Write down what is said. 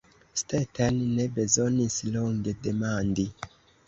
Stetten ne bezonis longe demandi.